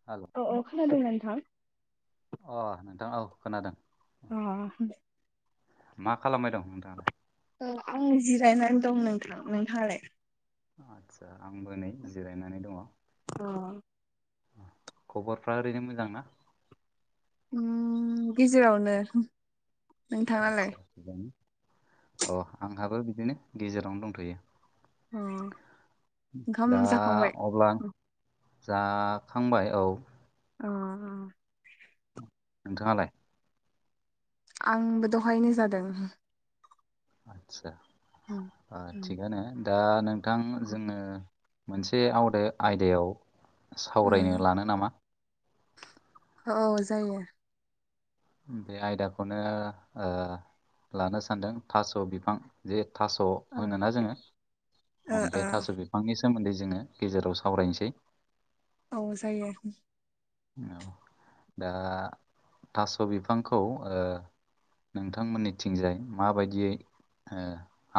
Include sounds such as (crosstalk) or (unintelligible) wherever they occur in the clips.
औ औ औ खोनादों नोंथां अ नोंथां औ खोनादों अ मा खालामबाय दं नोंथाङालाय औ आं जिरायनानै दं नोंथां नोंथाङालाय आस्सा आंबो नै जिरायनानै दङ औ खब'रफ्रा ओरैनो मोजां ना? ओम गेजेरावनो नोंथाङालाय आदसा थिगानो, अ आंहाबो बिदिनो गेजेरावनो अ दंथ'यो ओंखाम दा जाखांबाय अब्ला जाखांबाय औ अ नोंथाङालाय आंबो दहायनो जादों आतसा आ उम थिगानो दा नोंथां जोङो मोनसे आवदा आयदायाव सावरायनो लानो नामा औ जायो बे आयदाखौनो ओ लानो सानदों थास' बिफां जे थास' ओ होनोना जोङो बे ओ थास' बिफांनि सोमोन्दै जोङो गेजेराव सावरायनोसै औ जायो औ दा थास' बिफांखौ नोंथांमोननिथिंजाय माबायदियै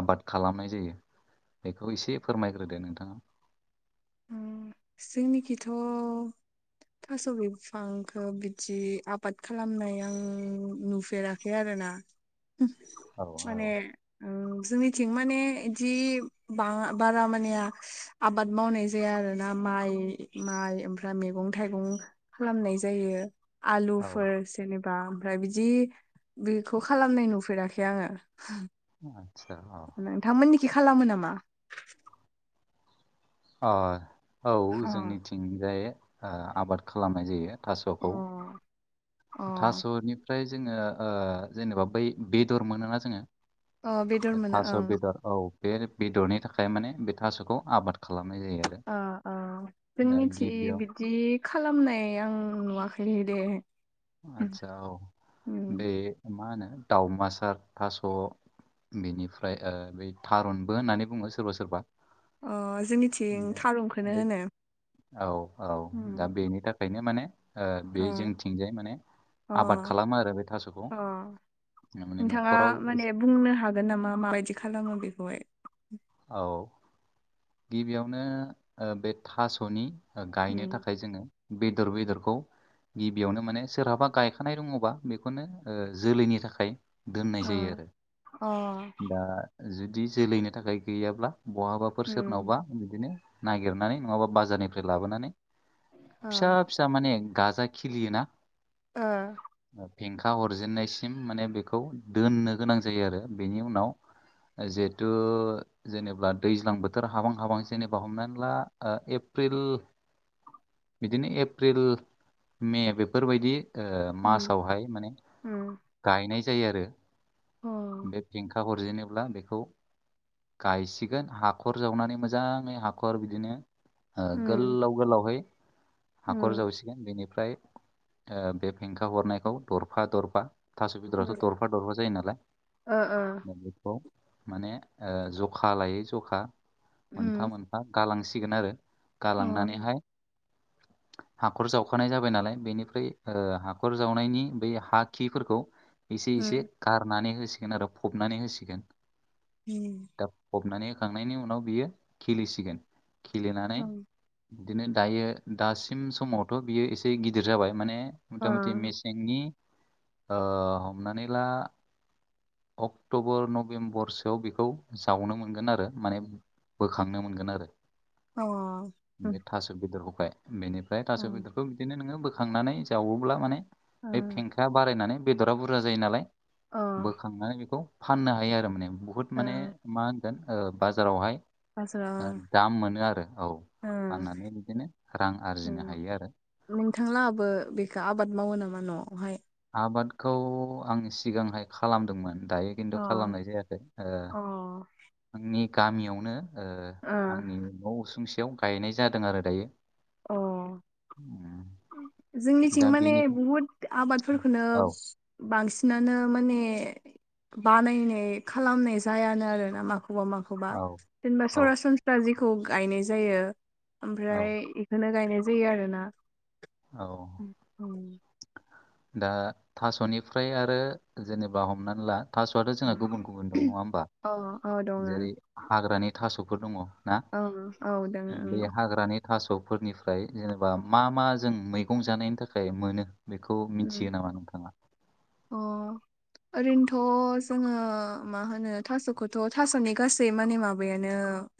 आबाद खालामनाय जायो बेखौ एसे फोरमायग्रोदो नोंथाङा जोंनिथिंथ' थास' बिफांखौ बिदि आबाद खालामनाय आं नुफेराखै आरोना औ औ माने जोंनिथिं माने जि बारा मानिया आबाद मावनाय जाया आर ना माइ माइ ओमफ्राय मैगं थाइगं खालामनाय जायो। आलु फोर औ जेनेबा ओमफ्राय बिदि बेखौ खालामनाय नुफेराखै आङो। आतसा औ नोंथांमोननिखि खालामो नामा? औ अ जोंनिथिंजाय ओ आबाद खालामनाय जायो। अ थास'खौ अ थास'निफ्राय जोङो ओ जेनेबा बै बेदर मोनोना जोङो अ बेदर मोनो थास' ओं बेदर औ बे बेदरनि थाखाय माने बे थास'खौ आबाद खालामनाय जायो आरो। ओ ओ जों दा निथिं गिबियाव बिदि खालामनाय आं नुवाखैह दे। आदसा औ बे उम मा होनो दाउमासार थास' बेनिफ्राय बै थारुनबो होननानै बुङो सोरबा सोरबा। अ जोंनिथिं थारुनखौनो होनो औ औ उम दा बेनि थाखाय बेंखायनो माने ओ बे अ जोंथिंजाय माने अ आबाद खालामो आरो बे थास'खौ अ माने नोंथाङा न'खराव माने एसे- बुंनो हागोन नामा माबायदि खालामो बेखौहाय? औ गिबियावनो बे थासनि गायनो उम थाखाय जोङो बेदर बेदरखौ गिबियावनो माने सोरहाबा गायखानाय दङबा बेखौनो ओ जोलैनि थाखाय दोननाय जायो अ आरो अ दा जुदि जोलैनो थाखाय गैयाब्ला बहाबा उम सोरनावबा बिदिनो नागिरनानै नङाबा बाजारनिफ्राय लाबोनानै फिसा फि माने गाजा खिलियो ना। ओ फेंखा हरजेननायसिम माने बेखौ दोननो गोनां जायो आरो बेनि उनाव जिहेतु जेनेबा दैज्लां बोथोर हाबां हाबां जेनेबा हमनानै ला एप्रिल बिदिनो एप्रिल मे बेफोरबायदि ओ मासावहाय माने अ गायनाय जायो आरो। ओ बे फेंखा हरजेनोब्ला बेखौ गायसिगोन हाखर जावनानै मोजाङै हाखर बिदिनो आ उम गोलाव गोलावहै हाखर उम अ उम जावसिगोन बेनिफ्राय ओ बे फेंखा हरनायखौ दरफा दरफा थास बेदरावथ उम दरफा दरफा जायो नालाय दा बेखौ माने ओ जखा लायै जखा मोनफा मोनफा गालांसिगोन आरो। गालांनानैहाय (inaudible) हाखर जावखानाय जाबाय नालाय बेनिफ्राय ओ हाखर जावनायनि बै हा खिफोरखौ एसे एसे गारनानै होसिगोन आरो फबनानै होसिगोन। हम दा फबनानै होखांनायनि उनाव बियो खिलिसिगोन खिलिनानै उम बिदिनो दायो दासिम समावथ बियो एसे गिदिर जाबाय माने मथा मथि मेसेंनि ओ हमनानै ला अक्टबर नभेम्बरसोआव बेखौ जावनो मोनगोन आरो माने बोखांनो मोनगोन आरो। अ बे थास बेदरखौखाय बेनिफ्राय अ उम अ उम थास बेदरखौ बिदिनो नोङो बोखांनानै जावोब्ला माने बे फेंखाया बारायनानै बेदरा बुरजा जायो नालाय ओ बोखांनानै बेखौ फाननो हायो आरो माने बुहुद अ ओ माने मा होनगोन ओ बाजारावहाय आस्रा दाम मोनो आरो औ ओ फाननानै बिदिनो रां ओ आरजिनो हायो आरो। नोंथांलाहाबो बेखौ आबाद मावो नामा न'आवहाय? आबादखौ आं सिगांहाय खालामदोंमोन दायो अ खिन्थु खालामनाय जायाखै। ओ अ आंनि गामियावनो ओ आंनि न' उसुंसेयाव गायनाय जादों आरो दायो। अ उम जोंनिथिं दा माने बेनि बुहुद आबादफोरखोनो औ बांसिनानो माने बानायनाय खालामनाय जायानो आरोना माखौबा मा खौबा औ जेनबा औ सरासनस्रा जेखौ गायनाय जायो औ ओमफ्राय इ खोनो गायनाय जायो आरो ना। औ। दा थास'निफ्राय आरो जेनबा हमनानै ला थासआथ जोंहा गुबुन गुबुन दं नङा होमबा औ दङ ओं औ जेरै हाग्रानि थासफोर दङ। ना दोङो बे ओं हाग्रानि थास'फोरनिफ्राय जेनेबा मा मा जों मैगं जानायनि थाखाय मोनो बेखौ मिन्थियो उम। नामा नोंथाङा? अ ओरैनथ' जोङो मा होनो थास'खौथ' थास'नि गासै माने माबायानो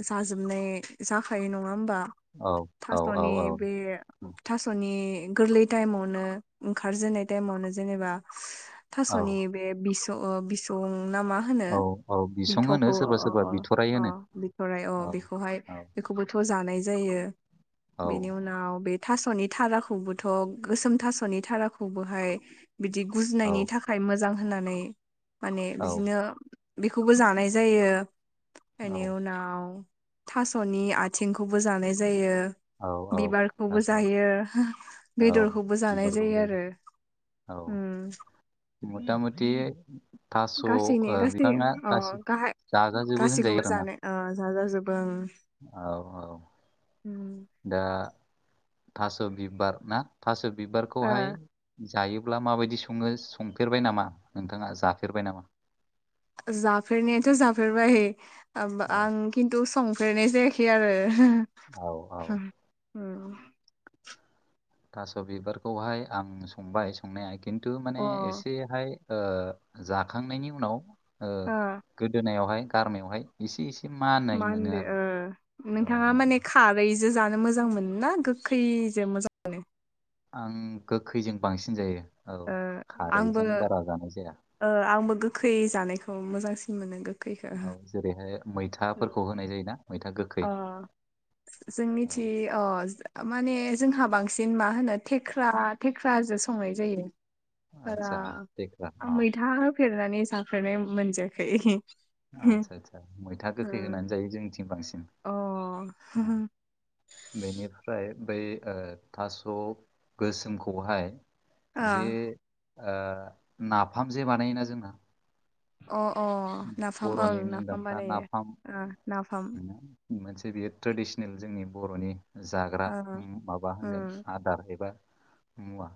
जाजोबनाय जाखायो नङा होमबा? औ औ औ थास'नि औ बे औ थास'नि गोरलै टाइमावनो ओंखारजेननाय टाइमावनो जेनेबा औ थास'नि बे बिस' ओ बिसं नामा होनो औ औ बिसं होनो बिथ'खौ सोरबा अ सोरबा बिथराइ अ अ होनो बिथराइ अ औ बेखौहाय औ बेखौबोथ' जानाय जायो। औ बेनि उन नाव बे थास'नि थराखौबोथ' गोसोम थास'नि थराखौबोहाय बिदि औ गुजनायनि थाखाय मोजां होननानै माने औ बिदिनो बेखौबो जानाय जायो। एनि औ उनाव थास'नि आथिंखौबो जानाय जायो। औ औ बिबारखौबो थासबायदि जायो। औ बेदरखौबो जानाय जायो आरो उम। मुथा मुथि थास' गासैनि ओ गासै बिफाङा अ गासि गाहाय जाजाजोबो गासैखौबो होनजायो आरोना। जानो ओ जाजाजोबो ओं। औ औ। दा थास' बिबार ना थास' ओ बिबारखौहाय जायोब्ला माबायदि सङो संफेरबाय नामा नोंथाङा जाफेरबाय नामा? जाफेरनायाथ' जाफेरबाय। आब औ आं खिन्थु संफेरनाय जायाखै आरो हो हो। औ औ। औ थास' बिबारखौहाय आं संबाय संनाया खिन्थु माने अ ओ एसेहाय ओ जाखांनायनि उनाव ओ गोदोनायावहाय गारमायावहाय इसे इसे माननाय मा मोनो होनदो आरो ओ नोंथाङा औ। माने खारैजो जानो मोजां मोनना गोखैजो मोजा आं गोखैजों बांसिन जायो औ ओ आंबो खारैजों बारा जानाय जाया। ओ आंबो गोखै जानायखौ मोजांसिन मोनो गो औ जेरैहाय मैथाफोरखौ होनाय जायोना मैथा अ गोखै। औ जोंनिथि अ माने जोंहा बांसिन मा होनो थेख्रा थेख्राजो संनाय जायो। बारा आदसा देख्रा आं अ मैथा होफेरनानै जाफेरनाय मोनजाखै। आदसा आदसा मैथा गोखै होनानै जायो जोंनिथिं बांसिन। अ बेनिफ्राय बै ओ थास' गोसोमखौहाय आ जे ओ नाफाम जे बानायोना जोंना अ अ नाफाम ओं बर'नि नाफाम मुंदांखा बानायो नाफाम ओ नाफाम मोनसे बियो ट्रेडिसनेल जोंनि बर'नि जाग्रा ओ माबा होनगोन उम आदार एबा मुवा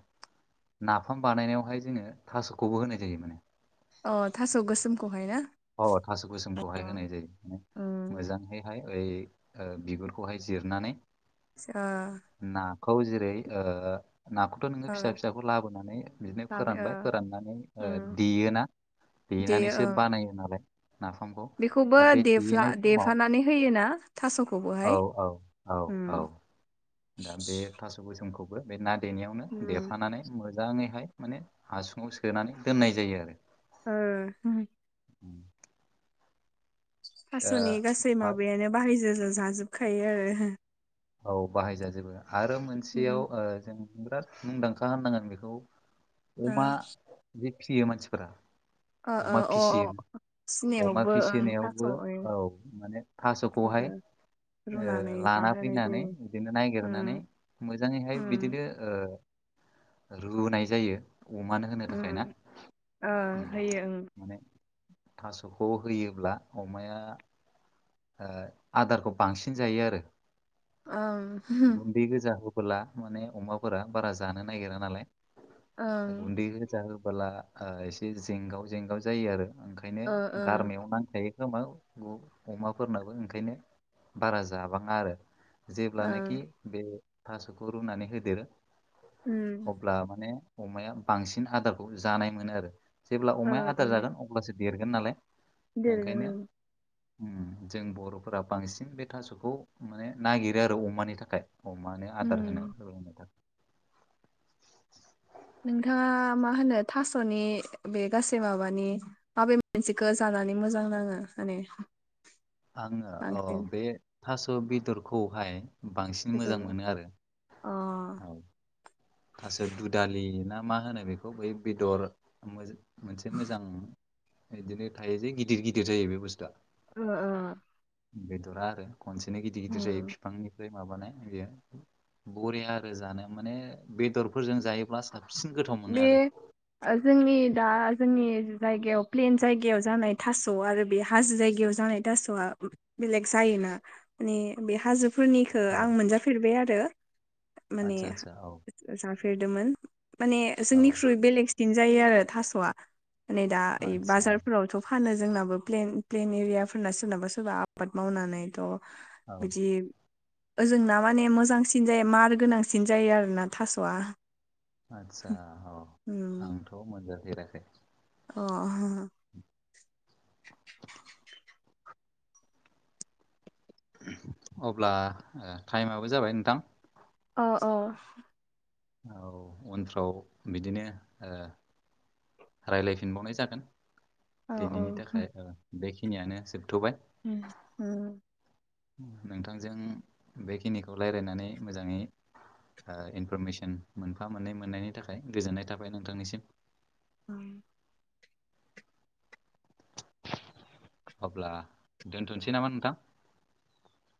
नाफाम बानायनायावहाय जोङो थास'खौबो होनाय जायो माने अ थास' गोसोमखौहाय ना औ थास' अ गोसोमखौहाय होनाय जायो उम मोजाङैहाय ओइ बिगुरखौहाय जिरनानै ओ नाखौ जेरै ओ ना थ' नोङो फिसा ओ फिसाखौ लाबोनानै बिदिनो लाबाय ओ फोरानबाय फोराननानै उम देयोना दे देनानैसो ओं बानायो नालाय नाफामखौ बेखौबो दा बे देफ्ला देनाय समाव देफानानै होयोना थास'खौबोहाय औ औ औ उम औ दा बे थास' गोसोमखौबो बे ना देनायावनो उम देफानानै मोजाङैहाय माने हासुङाव सोनानै दोननाय जायो आरो ओ उम (inaudible) दा थास'नि गासै था- माबायानो बाहायजा जाजोबखायो आरो औ बाहायजाजोबो आरो मोनसेयाव उम जों बिराद मुंदांखा होननांगोन बेखौ ओ अमा जे फिसियो मानसिफोरा ओ अमा ओ फिसियो अ अ अमा सिनियावबो ओं थास' फिसिनायावबो ओं औ माने थास'खौहाय थास'खौ ओ रुनानै लाना जाहोनाय फैनानै जायो बिदिनो नागिरनानै उम मोजाङैहाय उम बिदिनो ओ रुनाय जायो अमानो होनो थाखाय ना उम ओ होयो माने थास'खौ होयोब्ला अमाया आदारखौ बांसिन जायो आरो ओं गुन्दै गोजा होबोला माने अमाफोरा बारा जानो नागिरा नालाय ओं गुन्दै गुजा होबोला ओ एसे जेंगाव जेंगाव जायो आरो ओंखायनो ओ ओ गारनाययाव नांथायो जमा अमाफोरनाबो ओंखायनो बारा जाबाङा आरो जेब्लानाखि ओं बे थास'खौ रुनानै होदेरो उम अब्ला माने अमाया बांसिन आदारखौ जानाय मोनो आरो जेब्ला ओ अमाया आदार ओं जागोन अब्लासो देरगोन नालाय देरगानो ओंखायनो जों बर'फोरा बांसिन बे थास'खौ माने नागिरो आरो अमानि थाखाय अमानो आदार होनो उम औ नोंथां नोंथाङा मा होनो थास'नि बे गासै माबानि माबे मोनसेखौ जानानै मोजां नाङो माने आङो बांसिन बे थास' बेदरखौहाय बांसिन बेदर मोजां मोनो आरो अ थासो दुदालि ना मा होनो बेखौ बै बेदर मोनसे मोजां बिदिनो थायो जे गिदिर गिदिर जायो बे बुस्थुआ औ ओ बेदरा आरो खनसेनो गिदिर गिदिर जायो उम फिफांनिफ्राय माबानाय बेयो बरिया आरो जानो माने बेदरफोरजों जायोब्ला साबसिन गोथाव बे मोनो आरो जोंनि दा जोंनि जायगायाव प्लेन जायगायाव जानाय थास' आरो बे हाजो जायगायाव जानाय थास'आ बेलेग जायोना माने बे हाजो फोरनिखौ औ आं मोनजाफेरबाय आरो माने आदसा आदसा औ जाफेरदोमोन माने औ जोंनिख्रुइ बेलेगसि दिन जायो आरो थास'आ मानेओ दा ओइ आदसा बाजारफोरावथ' फानो जोंनाबो ओ प्लेन प्लेन एरियाफोरना सोरनाबा सोरबा आबाद मावनानैथ' औ बिदि ओजोंना माने मोजांसिन जायो मार गोनांसिन जायो आरो ना थास'आ आदसा अ उम आंथ' मोनजाफेराखै अ अब्ला टाइमाबो जाबाय नोंथां। अ अ औ उनफ्राव बिदिनो ओ रायलायफिनबावनाय जागोन औ दिनैनि थाखाय बेखिनियानो जोबथ'बाय। (unintelligible) नोंथांजों बेखिनिखौ रायज्लायनानै मोजाङैनो इनफरमेसन मोनफा मोननै मोननायनि थाखाय गोजोननाय थाबाय नोंथांनिसिम। (unintelligible) अब्ला दोन्थनोसै नामा नोंथां?